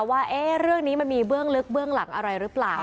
ว่าเรื่องนี้มันมีเบื้องลึกเบื้องหลังอะไรหรือเปล่า